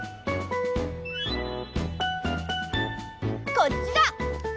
こっちだ！